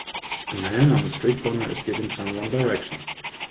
A man on a street corner is giving someone directions.